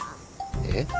えっ？